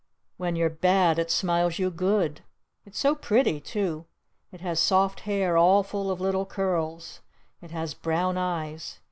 When you're bad it smiles you good! It's so pretty too! It has soft hair all full of little curls! It has brown eyes!